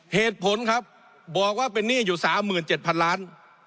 เหตุผลครับบอกว่าเป็นหนี้อยู่๓๗๐๐๐ล้าน